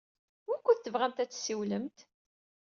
Wukud tebɣamt ad tessiwlemt?